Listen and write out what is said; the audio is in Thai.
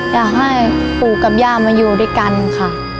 อยากให้ปู่กับย่ามาอยู่ด้วยกันค่ะ